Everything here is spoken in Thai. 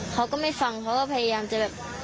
เขาก็ไม่ฟังเขาก็พยายามจะแบบ